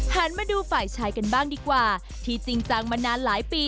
มาดูฝ่ายชายกันบ้างดีกว่าที่จริงจังมานานหลายปี